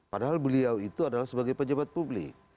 padahal beliau itu adalah sebagai pejabat publik